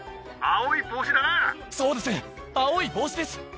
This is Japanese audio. そうです青い帽子です！